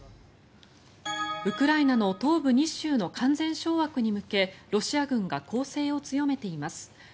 ウクライナの東部２州の完全掌握に向けロシア軍が攻勢を強めています。